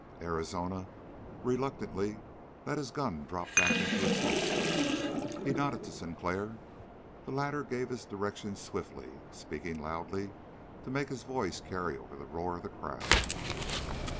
Arizona reluctantly let his gun drop back in its holster. He nodded to Sinclair. The latter gave his directions swiftly, speaking loudly to make his voice carry over the roar of the crowd.